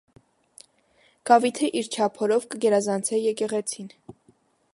Գաւիթը իր չափորով կը գերազանցէ եկեղեցին։